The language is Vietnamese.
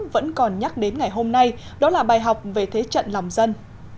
vẫn còn nhắc đến ngày hôm nay đó là bài học về thế trận lòng dân